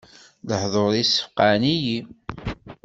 Lehduṛ-is ssfeqɛen-iyi.